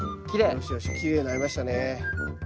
よしよしきれいになりましたね。